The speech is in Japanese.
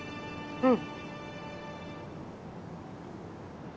うん。